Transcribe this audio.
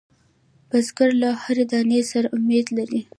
بزګر له هر دانې سره امید لري